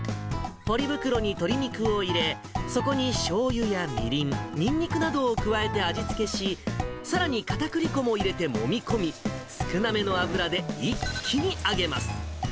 ポリ袋に鶏肉を入れ、そこにしょうゆやみりん、にんにくなどを加えて味付けし、さらにかたくり粉も入れてもみ込み、少なめの油で一気に揚げます。